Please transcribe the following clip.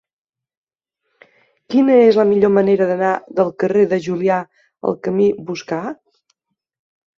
Quina és la millor manera d'anar del carrer de Julià al camí Boscà?